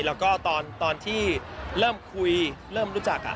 แล้วก็ตอนที่เริ่มคุยเริ่มรู้จัก